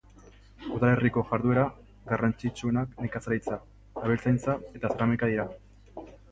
Udalerriko jarduera garrantzitsuenak nekazaritza, abeltzaintza eta zeramika dira.